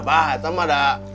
bah itu mah ada